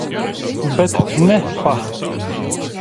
Bet ne pa